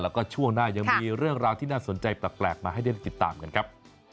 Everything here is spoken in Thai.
แล้วก็ช่วงหน้ายังมีเรื่องราวที่น่าสนใจแปลกมาให้ได้ติดตามกันครับ